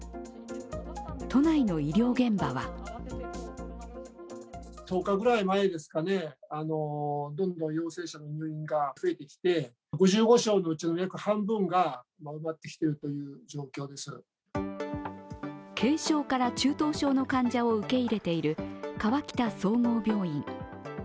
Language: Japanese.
都内の医療現場は軽症から中等症の患者を受け入れている河北総合病院。